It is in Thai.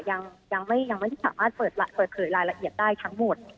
ยังไม่ได้สามารถเปิดเผยรายละเอียดได้ทั้งหมด